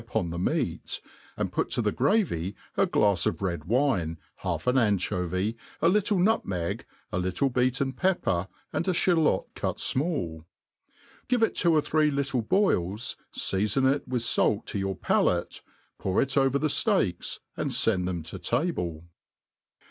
uppn the meat, and put, to the gravy a glafs of red wine^ half an anchovy, a little nutmeg, a little be^ten^pepper, and a ftalot cut fmall ; give it two or three little boils, feafon it with fait to .your palate, pour it ovv the (leaks, and fend thpm to table.